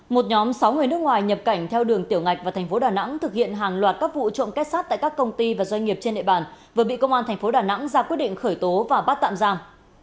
một nhóm sáu người nước ngoài nhập cảnh theo đường tiểu ngạch vào tp đà nẵng thực hiện hàng loạt các vụ trộm kết sát tại các công ty và doanh nghiệp trên địa bàn vừa bị công an tp đà nẵng ra quyết định khởi tố và bắt tạm giam